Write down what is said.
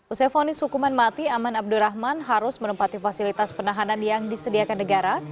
usai fonis hukuman mati aman abdurrahman harus menempati fasilitas penahanan yang disediakan negara